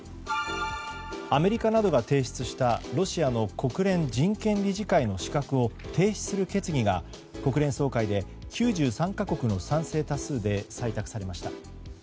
アメリカなどが提出したロシアの国連人権理事会の資格を停止する決議が国連総会で９３か国の賛成多数で採択されました。